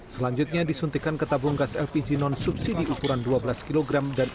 selanjutnya disuntikan ke tabung gas lpg